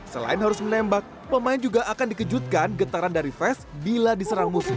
selain harus menembak pemain juga akan dikejutkan getaran dari vest bila diserang musuh